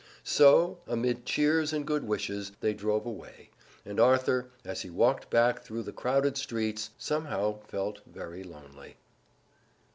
So, amid cheers and good wishes, they drove away, and Arthur, as he walked back through the crowded streets, somehow felt very lonely.